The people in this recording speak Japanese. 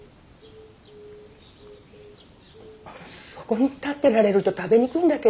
そこに立ってられると食べにくいんだけど。